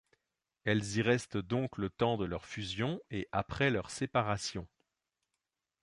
Elles y restent donc le temps de leur fusion et après leur séparation.